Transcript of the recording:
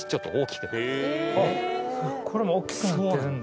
これもおっきくなってるんだ。